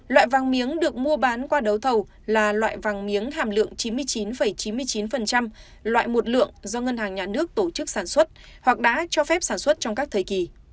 loại vàng miếng được mua bán qua đấu thầu là loại vàng miếng hàm lượng chín mươi chín chín mươi chín loại một lượng do ngân hàng nhà nước tổ chức sản xuất hoặc đã cho phép sản xuất trong các thời kỳ